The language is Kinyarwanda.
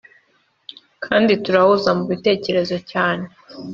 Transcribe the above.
kandi turahuza mu bitekerezo cyane